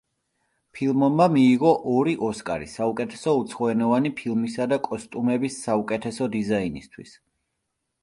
ფილმმა მიიღო ორი ოსკარი, საუკეთესო უცხოენოვანი ფილმისა და კოსტუმების საუკეთესო დიზაინისთვის.